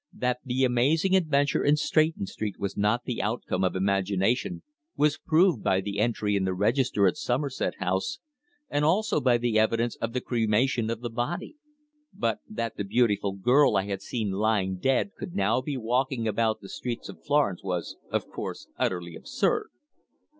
That the amazing adventure in Stretton Street was not the outcome of imagination was proved by the entry in the register at Somerset House, and also by the evidence of the cremation of the body. But that the beautiful girl I had seen lying dead could now be walking about the streets of Florence was, of course, utterly absurd.